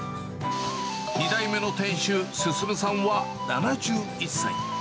２代目の店主、進さんは７１歳。